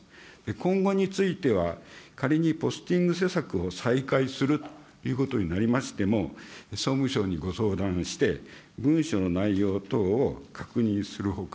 今後については、仮にポスティング施策を再開するということになりましても、総務省にご相談して、文書の内容等を確認するほか、